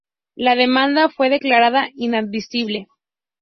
La demanda fue declarada inadmisible.